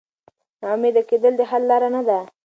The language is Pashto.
نا امیده کېدل د حل لاره نه ده.